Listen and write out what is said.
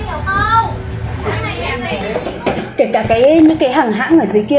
kể cả những cái hàng hãng ở dưới kia